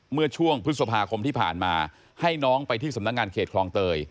เมื่อช่วงพฤษภาคมที่ผ่านมาให้น้องไปที่สำนักงานเขตคลองเตย